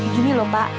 begini lho pak